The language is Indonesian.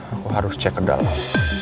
aku harus cek ke dalam